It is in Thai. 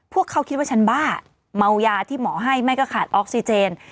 พวกเขาคิดว่าฉันบ้าเมายาที่หมอให้ไม่ก็ขาดออกซิเจน